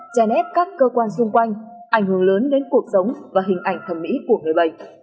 chèn ép các cơ quan xung quanh ảnh hưởng lớn đến cuộc sống và hình ảnh thẩm mỹ của người bệnh